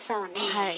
はい。